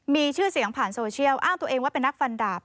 มีชื่อเสียงผ่านโซเชียลอ้างตัวเองว่าเป็นนักฟันดาบ